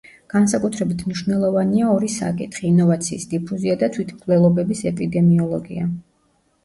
განსაკუთრებით მნიშვნელოვანია ორი საკითხი: ინოვაციის დიფუზია და თვითმკვლელობების ეპიდემიოლოგია.